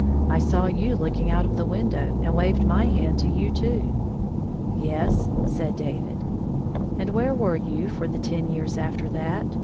I saw you looking out of the window, and waved my hand to you, too." " Yes," said David. " And where were you for the ten years after that